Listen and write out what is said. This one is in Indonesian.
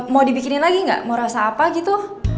mau dibikinin lagi nggak mau rasa apa gitu